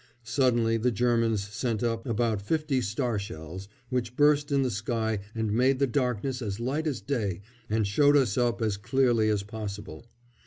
Suddenly the Germans sent up about fifty star shells, which burst in the sky and made the darkness as light as day and showed us up as clearly as possible.